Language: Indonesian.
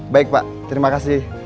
baik pak terima kasih